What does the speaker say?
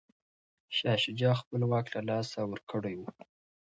شاه شجاع خپل واک له لاسه ورکړی و.